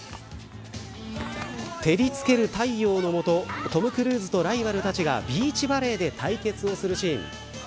照りつける太陽の下トム・クルーズとライバルたちがビーチバレーで対決するシーン。